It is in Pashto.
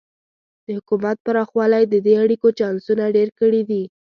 د حکومت پراخوالی د دې اړیکو چانسونه ډېر کړي دي.